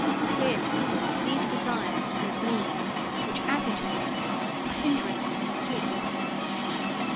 Clearly these desires and needs, which agitate him, are hindrances to sleep.